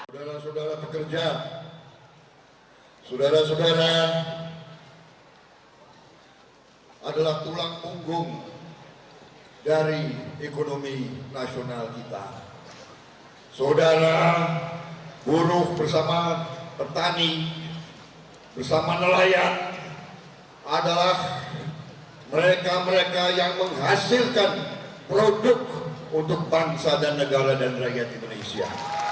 dan mereka yang menghasilkan produk untuk bangsa dan negara dan rakyat di malaysia